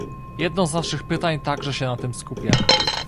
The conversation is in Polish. Jedno z naszych pytań także się na tym skupia